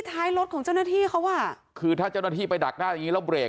ท้ายรถของเจ้าหน้าที่เขาอ่ะคือถ้าเจ้าหน้าที่ไปดักหน้าอย่างงี้แล้วเรก